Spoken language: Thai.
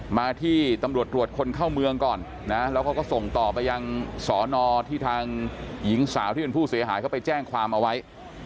มาที่ตำรวจตรวจคนเข้าเมืองก่อนนะแล้วเขาก็ส่งต่อไปยังสอนอที่ทางหญิงสาวที่เป็นผู้เสียหายเขาไปแจ้งความเอาไว้